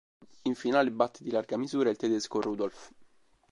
In finale batte di larga misura il tedesco Rudolph.